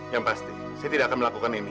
yang pasti saya tidak akan melakukan ini